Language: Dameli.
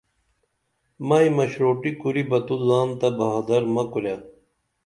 مئی مشرُوٹی کُری بہ تو زان تہ بہادر مہ کُرے